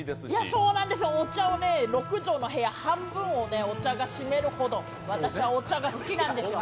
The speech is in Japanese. そうなんです、６畳の部屋の半分をお茶が占めるほど私はお茶が好きなんですよ。